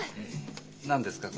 何ですか？